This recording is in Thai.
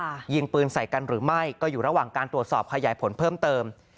ยิงปืนใส่กันหรือไม่ก็อยู่ระหว่างการตรวจสอบขยายผลเพิ่มเติม